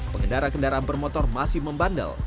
pengendara kendaraan bermotor masih membandel